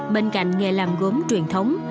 bên cạnh nghề làm gốm truyền thống